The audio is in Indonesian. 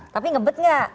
tapi ngebet gak